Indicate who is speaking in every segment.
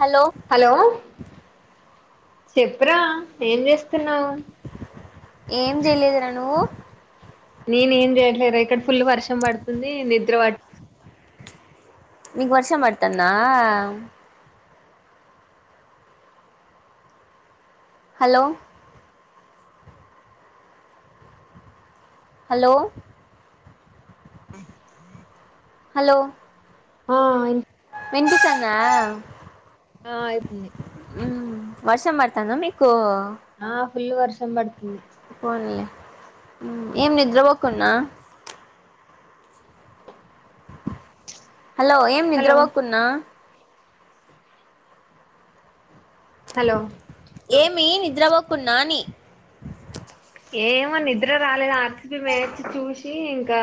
Speaker 1: Hello
Speaker 2: hello చెప్పరా ఏం చేస్తున్నావు
Speaker 1: ఏం చేయలేదురా నువ్వు
Speaker 2: నేనుం చేయట్లేదు ఇక్కడ ఫుల్ వర్షం పడుతుంది నిద్ర పట్
Speaker 1: మీకు వర్ష పడతొంద హలో హలో హలో
Speaker 2: ఆ
Speaker 1: పంపిస్తాం దా
Speaker 2: ఆ అయితుంది
Speaker 1: అ తనా మీకు
Speaker 2: ఆ ఫుల్ వర్సం బడ్
Speaker 1: ఫోన్ లే ఏం నిద్ర పోకున్నా హలో ఏం
Speaker 2: హలో
Speaker 1: నిద్రపోకున్నా
Speaker 2: హలో
Speaker 1: ఏమి నిద్రపోకున్నాని
Speaker 2: ఏమో నిద్ర రాలేదు ఆర్సిపి వేచి చూసి ఇంకా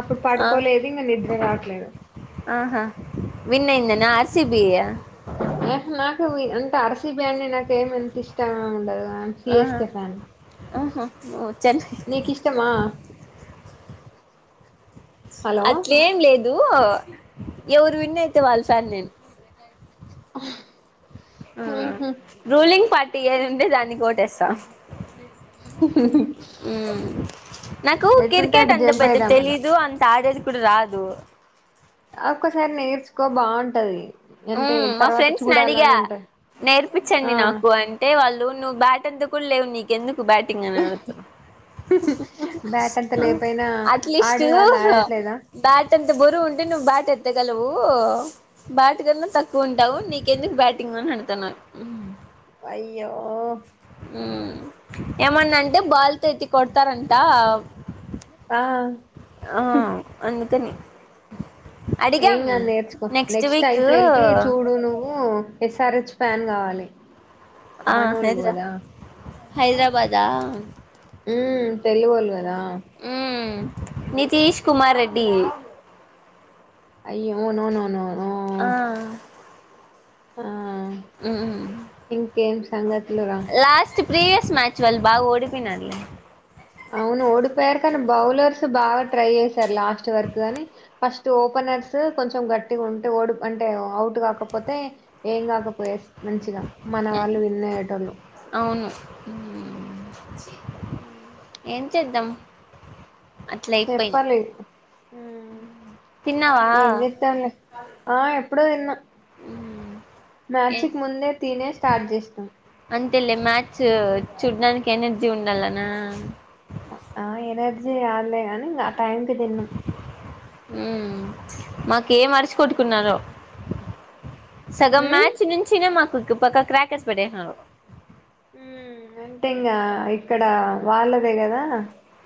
Speaker 2: అప్పుడు
Speaker 1: ఆ
Speaker 2: పడుకోలేదు నేను నిద్ద్ర రావట్లేదు
Speaker 1: విన్న అయిందన ఆర్ సి బి
Speaker 2: నాకు అంటే ఆర్ సి బి అని నాక ఎమి ఎంత ఇష్టమ ఉండదు
Speaker 1: ఆహా
Speaker 2: సిఎస్ కె ఫన్
Speaker 1: ఆహా ఓ చెన్నై
Speaker 2: నీకిష్టమా
Speaker 1: అట్లేం లేదు ఊ ఎవరు విన్ అయితే వాళ్ళ ఫ్యాన్ నేను
Speaker 2: ఉహు.
Speaker 1: రూలింగ్ పార్ట్ టీ ఏదుంటే దానికి ఓట్ ఏస్తా ఉమ్ నాకు
Speaker 2: ఎటుంటే
Speaker 1: కిరికెట్
Speaker 2: అటు
Speaker 1: అంత
Speaker 2: జంప్
Speaker 1: పెద్ద
Speaker 2: అయిదామని
Speaker 1: తెలీదు అంత ఆడేది ప్పుడు రాదు
Speaker 2: అక్కసారి నేర్చుకో బావుంటాది
Speaker 1: ఉమ్ మా ఫ్రెండ్స్ అడిగా నేర్పిచ్చండి
Speaker 2: ఆ
Speaker 1: నాకు అంటే వాళ్ళు నువ్వు బ్యాట్ అంత కూడా లేవు నీకెందు టు బ్యాటింగ్ అని అడుగుతారు
Speaker 2: బ్యాట్ అంతా లేపోయినా
Speaker 1: అట్లీస్ట్
Speaker 2: ఆడే వాళ్ళు ఆడట్లేదా
Speaker 1: బ్యాట్ తంత బరువు ఉంటే నువ్ బ్యాట్ ఎత్తగలవు బ్యా టు గన్నా తక్కువుంటావు నీకెందుకు బ్యాటింగ్ అని అంటాను ఉమ్
Speaker 2: అయ్యో
Speaker 1: ఊ ఏమన్నా అంటే బాల్ తో ఎత్తి కొడతారంట
Speaker 2: ఆ
Speaker 1: ఆ అందుకని అడిగాం
Speaker 2: ఏంని నేర్చుకో నెక్స్ట్ ఐపీఎలె కి చూడు నువ్వు ఎస్ఆర్ హెచ్ ఫ్యాన్ కావాలి
Speaker 1: ఆ
Speaker 2: మనోళ్లు
Speaker 1: హైదరా
Speaker 2: కదా
Speaker 1: హైదరాబాదా
Speaker 2: హమ్ తెలవదు కదా
Speaker 1: హమ్ నితీష్ కుమార్ రెడ్డి
Speaker 2: అయ్యో అవునువునువ
Speaker 1: ఆ
Speaker 2: ఆ ఆ
Speaker 1: మ్మ్
Speaker 2: ఇంకేం సంగతులు రా
Speaker 1: ప్రీవయస్ మ్యాచ్ వల్ బాగా ఓడిపనర్లే
Speaker 2: అవును ఓడిపోయారు కానీ బౌల్లెర్స బాగా ట్రై చేస్త సార్ లాస్ట్ వరకు గా అని ఫస్ట్ ఓపెనర్స్ కొంచెం గట్టిగా ఉంటే ఓడు అంటే అవుట్ కాకపోతే ఏం కాకపోయే మంచిగా మన వాళ్ళు విన్న ఏటోలు
Speaker 1: అవును మ్మ్.
Speaker 2: హమ్ ము
Speaker 1: ఏం చేద్దాం అట్లా అయిపోయింది
Speaker 2: చెప్పాలి హమ్
Speaker 1: తిన్నావా
Speaker 2: ఏం చేత్తాలే ఆహ్ ఇప్పుడే తిన్న
Speaker 1: మ్మ్ ఏ
Speaker 2: మ్యాచ్కు ముందే తీనే స్టార్ట్ చేశాం
Speaker 1: లే మ్యాచ్ చూడ్డానికి ఎనర్జీ ఉండాలనా
Speaker 2: ఆహ్ ఎనర్జీ కాదులే గని ఆహ్ టైంకి తిన్న
Speaker 1: హమ్ మాకు ఏ మరిచి కొట్టుకున్నారో సగం
Speaker 2: మ్మ్
Speaker 1: మ్యాచ్ నుంచినే మాకు పక్క క్రాకర్స్ పెట్టేస్నారు
Speaker 2: హామ్ అంటే ఇంగ ఇక్కడ వాళ్ళదే కదా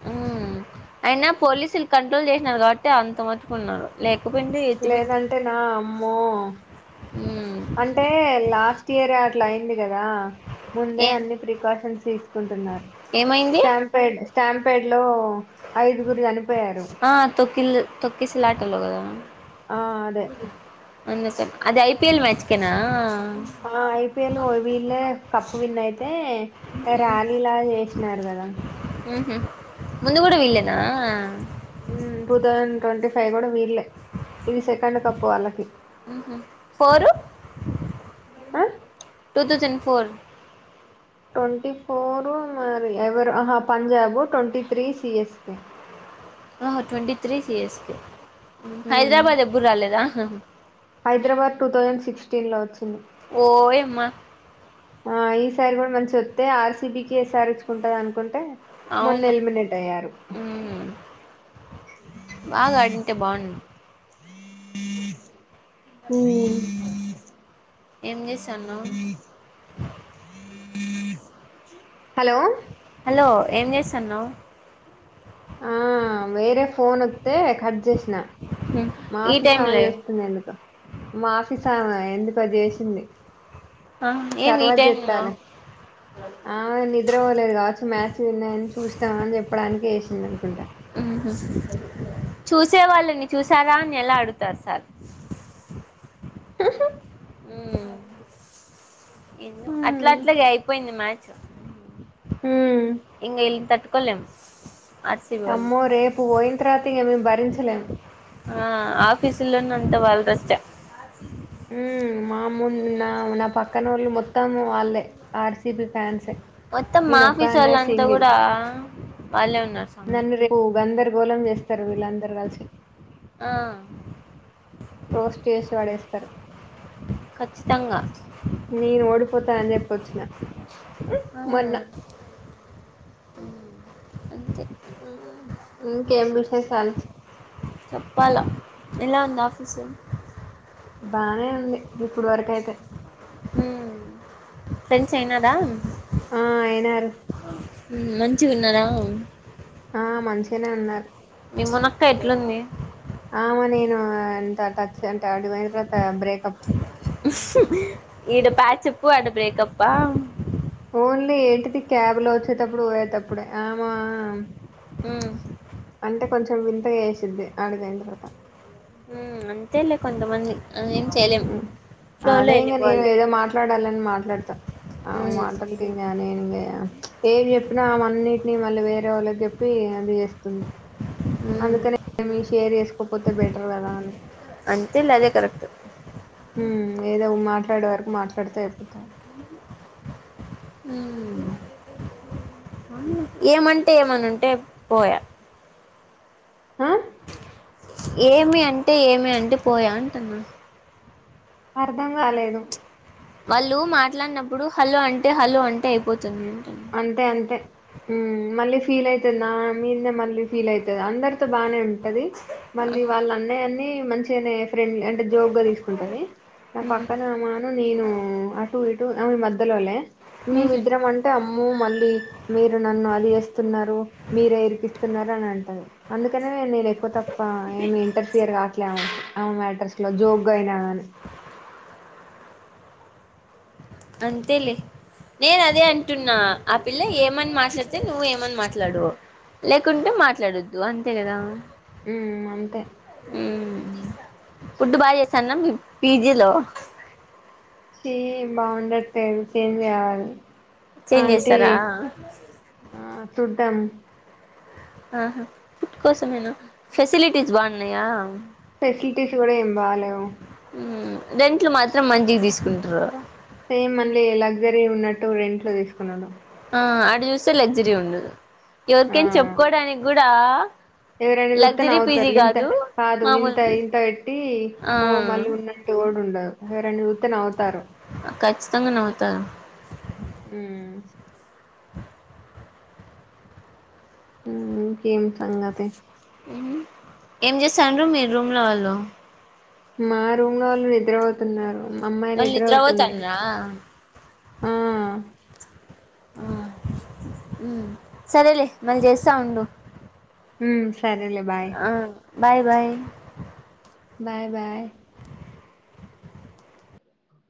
Speaker 1: హమ్ అయినా పోలీసులు కంట్రోల్ చేసినారు కాబట్టి అంత మట్టుకున్నారు లేక
Speaker 2: లేదంటే నా అమ్మో
Speaker 1: ఉమ్
Speaker 2: అంటే లాస్ట్ ఇయర్ అట్లా అయింది కదా ముందే
Speaker 1: ఏ
Speaker 2: అన్ని ప్రికాషన్స్ [unintelligible] ఉంటున్నారు
Speaker 1: ఏమైంది
Speaker 2: స్ట్యాంపేడ్ స్టాంపెడ్ లో ఐదుగురూ చనీ
Speaker 1: ఆహ్ తొకిల్ తొకిసలా లటాలో కదా
Speaker 2: ఆహ్ అదే
Speaker 1: అందుకే అది ఐపిఎల్ మ్యాచ్కేనా
Speaker 2: ఆహ్ ఐపిఎల్ లో వీళ్ళే కప్పు విన్ అయితే ర్యాలీలాగా చేసినారు కదా
Speaker 1: హమ్ ముందు కూడా వీళ్ళేనా
Speaker 2: టూ తౌసండ్ ట్వంటీ ఫైవ్ కూడా వీళ్ళే ఇది సెకండ్ కప్పు వాళ్ళకి
Speaker 1: - [unintelligible]
Speaker 2: ఆహ్
Speaker 1: two thousand four
Speaker 2: twenty four మరి ఎవరు అహ పంజాబు ట్వంటీ త్రీ సిఎస్కే
Speaker 1: ఆహ ట్వంటీ త్రీ సియస్కె హైదరాబాద్ ఎబుడ్ రాలేదా
Speaker 2: స్టీన్లో వచ్చిం
Speaker 1: ఓయమ్మా
Speaker 2: ఆహ్ ఈసారి కూడా మంచి వత్తే ఆర్సిబికి ఎస్సారెచ్ కి ఉంటదనుకుంటే మొన్న
Speaker 1: అవును
Speaker 2: ఎలిమినేట్ అయ్యారు
Speaker 1: ఉమ్ బాగా ఆడింటే బాగుండ్ ఏం చేస్థాన్నావ్ - [unintelligible]
Speaker 2: హలో
Speaker 1: హలో ఏం చేస్తాన్నావు
Speaker 2: ఆ వేరే ఫోన్ ఒత్తే కట్ చేసిన
Speaker 1: ఈ టైమ్
Speaker 2: మాఫీసామె
Speaker 1: లో
Speaker 2: చేస్తుంది ఎందుకొ మాఫీ సామ ఎందుకొ చేసింది
Speaker 1: ఆ ఏం ఈ టైమ్ లో
Speaker 2: ఆ నిద్ర పోవలేదు కావచ్చు మ్యా న్నాయని చూస్తాం అని చెప్పడానికి చేసిందనుకుంటా
Speaker 1: ఉహూ చూసేవాళ్ళని చూసారా అని ఎలా అడుగుతారు సార్ మ్ ఎమ్మొ అట్లఅట్లగే అయిపోయింది మా అ
Speaker 2: ఉమ్
Speaker 1: ఇంగ ఇల్తట్ కొలేం
Speaker 2: అమ్మో రేపు పోయింతర్వాత ఇగ మేం బ రించలేం
Speaker 1: ఆ ఆఫీల్లోనే ఉంట వాళ్ళదోస్తే
Speaker 2: ఉ మా ము నా నా పక్కన వాళ్ళు మొత్తం వాళ్ళే ఆర్సిబి ఫ్యాన్సే
Speaker 1: మొత్తం మా
Speaker 2: నేను ఒక్కదాన్నే
Speaker 1: ఆఫీస్సోల్లంత
Speaker 2: సింగిల్
Speaker 1: కూడా వాళ్ళే ఉన్నారు స్వామి
Speaker 2: నన్ను రేపు గంధర గోలం చేస్ స్తరు వీళ్ళందరు కలిసి
Speaker 1: ఆ
Speaker 2: రోస్ట్ చేసి వడేస్తరు
Speaker 1: ఖచ్చితంగా
Speaker 2: నేను ఓడిపోతాన అని చెప్పొచ్చిన మొన్న
Speaker 1: అ
Speaker 2: ఇంకేం విశేశాలు
Speaker 1: వల్ల ఎలా ఉంది ఆఫీస్
Speaker 2: బానే ఉంది ఇప్పుడు వరకైతే
Speaker 1: ఉమ్ ఫ్రెండ్స్ అయినారా
Speaker 2: ఆ అయినారు
Speaker 1: మంచిగున్నరా
Speaker 2: ఆ మంచిగానే ఉన్నారు
Speaker 1: మాఅక్క ఎట్లుంది
Speaker 2: ఆమ నేను అంతటచ్చం అటు పొయింతరాత బ్రేకప్
Speaker 1: ఈడ పాచప్పు ఆడ బ్రేకప్పా
Speaker 2: ఓన్లీ ఏంటిది క్యాబ్ లో వచ్చేటప్పుడు పోయేటప్పుడే ఆమా
Speaker 1: ఉమ్
Speaker 2: అంటే కొంచెం వింతగా చే సిద్ది ఆడికి పోయిన్ తర్వాత
Speaker 1: మ్మ్ అంతే లే కొంతమంది. ఏం చేయలేం
Speaker 2: మ్
Speaker 1: ఫ్లో లో
Speaker 2: అదే ఇంకా నేను
Speaker 1: వెళ్ళిపోవాల
Speaker 2: ఏదో మాట్లాడాలని మాట్లాడుతా ఆ
Speaker 1: ఉమ్
Speaker 2: మాటలకి ఇంకా నేను ఇంకా ప్చ్ ఏం చెప్పినా ఆమ అవన్నిటిని మళ్ళీ వేరే వాళ్ళకి చెప్పి అది చేస్తుంది.
Speaker 1: ఉమ్
Speaker 2: అందుకనే మి షేర్ చేసుకోకపోతే బెటర్ కదా అనీ
Speaker 1: అంతేలే అదే కరెక్ట్
Speaker 2: మ్మ్ ఏదో మాట్లాడే వరకు మాట్లాడితే అయిపోతాది
Speaker 1: మ్మ్ ఏమంటే ఏమనుంటే పోయా
Speaker 2: ఆ
Speaker 1: ఏమి అంటే ఏమి అంటే పోయే అంటున్నా.
Speaker 2: అర్ధం కాలేదు.
Speaker 1: వాళ్ళు మాట్లాడినప్పుడు హలో అంటే హలో అంటే అయిపో
Speaker 2: అంతే అంతే మ్మ్ మళ్ళీ ఫీల్ అయితది నా మీద్నే మళ్ళీ ఫీల్ అయితది అందరితో బానే ఉం టది మళ్ళీ వాళ్ళ అన్నయ్య నీ మంచిగనే ఫ్రెండ్ అంటే జోక్ గా తీసుకుంటది నా పక్కన మాను నేనూ అటు ఇ టు ఆమే మధ్యలోలే
Speaker 1: ఉహు
Speaker 2: మేమిద్దరం అం అమ్ము మళ్ళీ మీరు నన్ను అది చేస్తున్నారు మీరే ఇరికిస్తున్నారు అని అంటది అందుకని నేను ఎక్కువ తక్కువ ఏమి ఇంటర్ఫియర్ కావట్లే ఆమ ఆమే మ్యాటర్స్ ఇట్ల జోక్ గా అయిన గాని
Speaker 1: అంతే లే నేను అదే అంటున్నా ఆ పిల్ల ఏమని మాట్లాడితే, నువ్వు ఏమని మాట్లాడు లేకుంటే మాట్లాడొద్దు అంతే కదా.
Speaker 2: హ్మ్ అంతే
Speaker 1: మ్మ్ ఫుడ్డు బాగా చేస్తాన్నం పీజీలో
Speaker 2: చీ బాగుండట్లేదు చేంజ్ చేయాలి
Speaker 1: చేంజ్
Speaker 2: అంటే
Speaker 1: చేస్తారా
Speaker 2: ఆ చుద్దాం
Speaker 1: ఆ హా ఫుట్ కోసమేన ఫెసిలిటీస్ బాగున్నాయా?
Speaker 2: ఫెసిలిటీస్ కూడా ఏం బాలేవు
Speaker 1: మ్మ్ రెంట్లు మాత్రం మంచిగ తీసుకుంట్రూ
Speaker 2: సేమ్ మళ్ళీ లగ్జరీ ఉన్నట్టు రెంట్లు తీసుకున్నడం.
Speaker 1: ఆ ఆడ చూస్తే లెగ్జరి ఉండదు
Speaker 2: ఆ
Speaker 1: ఎవరికైన చెప్పుకోవడానికి గూ డా
Speaker 2: ఎవరైనా చూతేనే అవుతారు ఇంత కాదు
Speaker 1: మామూలు
Speaker 2: ఇంత
Speaker 1: పీజీ
Speaker 2: ఇంత పెట్టి
Speaker 1: ఆ
Speaker 2: ఓ మళ్ళీ ఉన్నంటే ఓడిండదు ఎవరనా చతేనే అవుతారు
Speaker 1: తంగనవత
Speaker 2: అ ఏం సంగతే
Speaker 1: ఏం చేస్తాను మీరు రూమ్లో వాళ్ళు
Speaker 2: మా రూమ్ లో వాళ్ళు నిద్ర అవుతున్నారు
Speaker 1: వళద్ర ఓతండరా
Speaker 2: ఆ
Speaker 1: ఆ సరేలే మళ చేస్తా ఉండు
Speaker 2: ఉ సరేలే బాయ్
Speaker 1: ఆ బాయ్ బాయ్
Speaker 2: బాయ్ బాయ్